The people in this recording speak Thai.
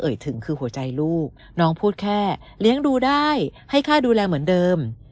ถึงคือหัวใจลูกน้องพูดแค่เลี้ยงดูได้ให้ค่าดูแลเหมือนเดิม